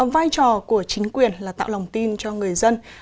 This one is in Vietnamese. vai trò của chính quyền là tạo lòng tin cho người dân